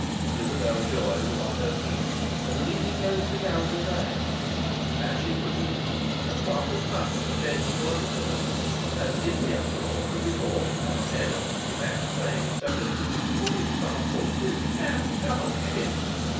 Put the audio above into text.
Isabel Joy was on her feet and leaning over the gallery rail. As she proceeded a startled hush changed to uproar. And in the uproar could be caught now and then a detached phrase, such as "For example, this man governed ship."